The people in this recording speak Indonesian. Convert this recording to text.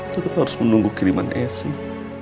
tetep harus menunggu kiriman esing